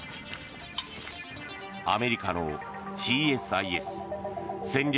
アメリカのＣＳＩＳ・戦略